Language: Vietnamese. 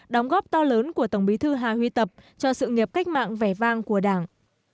đóng góp to lớn của tổng bí thư hà huy tập cho sự nghiệp cách mạng vẻ vang của đảng